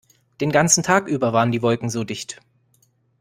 Den ganzen Tag über waren die Wolken so dicht.